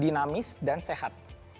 dinamis dan sehat